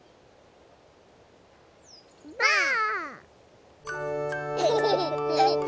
ばあっ！